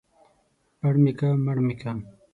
پړ مې که ، مړ مې که.